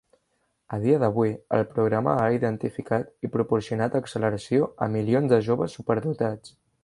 A dia d'avui, el programa ha identificat i proporcionat acceleració a milions de joves superdotats.